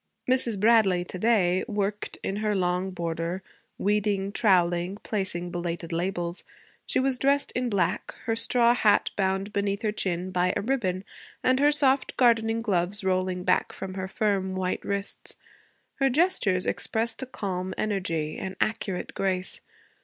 Mrs. Bradley, to day, worked in her long border, weeding, troweling, placing belated labels. She was dressed in black, her straw hat bound beneath her chin by a ribbon and her soft gardening gloves rolling back from her firm, white wrists. Her gestures expressed a calm energy, an accurate grace.